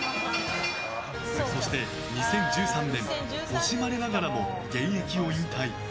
そして２０１３年惜しまれながらも現役を引退。